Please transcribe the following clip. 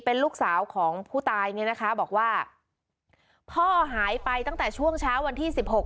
เป็นลูกสาวของผู้ตายเนี่ยนะคะบอกว่าพ่อหายไปตั้งแต่ช่วงเช้าวันที่สิบหก